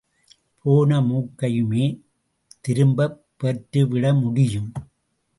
போன மூக்கையுமே திரும்பப் பெற்றுவிட முடியும்.